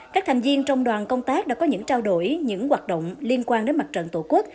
các thành viên trong đoàn công tác đã có những trao đổi những hoạt động liên quan đến mặt trận tổ quốc